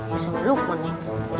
biasa baluk monyek